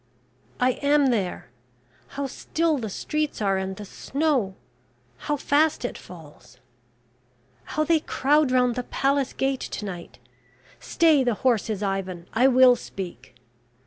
"I am there... How still the streets are, and the snow how fast it falls. How they crowd round the palace gate to night. Stay the horses, Ivan, I will speak...